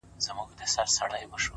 زحمت د موخو د رسېدو بیړۍ ده,